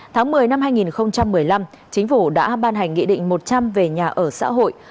tháng một mươi năm hai nghìn một mươi năm chính phủ đã ban hành nghị định một trăm linh về nhà ở xã hội